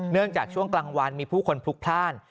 เนื่องจากช่วงกลางวันมีผู้คนพลุกพล่าน